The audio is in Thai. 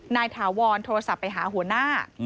ถาวรโทรศัพท์ไปหาหัวหน้า